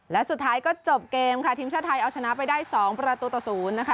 และสุดท้ายก็จบเกมค่ะทีมชาติไทยเอาชนะไปได้๒ประตูต่อ๐นะคะ